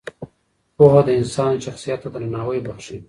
پوهه د انسان شخصیت ته درناوی بښي.